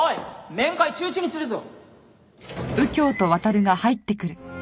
面会中止にするぞ。